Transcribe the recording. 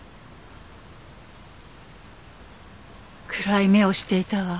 暗い目をしていたわ。